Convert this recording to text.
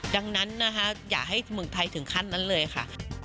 ดังนั้นนะคะอย่าให้เมืองไทยถึงขั้นนั้นเลยค่ะ